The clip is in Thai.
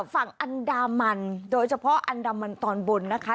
ฝั่งอันดามันโดยเฉพาะอันดามันตอนบนนะคะ